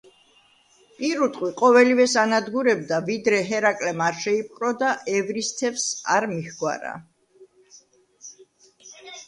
პირუტყვი ყოველივეს ანადგურებდა, ვიდრე ჰერაკლემ არ შეიპყრო და ევრისთევსს არ მიჰგვარა.